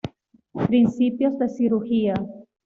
Principios de cirugía.